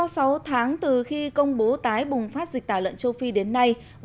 sau sáu tháng từ khi công bố tái bùng phát dịch tả lợn châu phi đến nay